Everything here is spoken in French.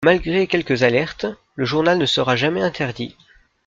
Malgré quelques alertes, le journal ne sera jamais interdit.